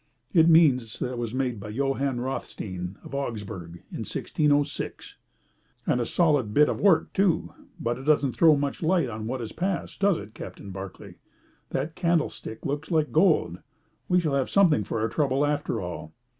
"It means that it was made by Johann Rothstein of Augsburg, in 1606." "And a solid bit of work, too. But it doesn't throw much light on what has passed, does it, Captain Barclay? That candlestick looks like gold. We shall have something for our trouble after all."